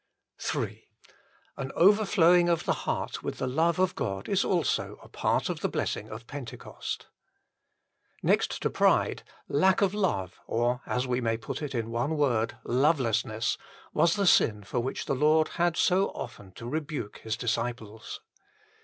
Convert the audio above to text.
Ill An overflowing of the heart with the love of God is also a part of the blessing of Pentecost. Next to pride, lack of love or, as we may put 26 THE FULL BLESSING OF PENTECOST it in one word, lovelessness was the sin for which the Lord had so often to rebuke His disciples.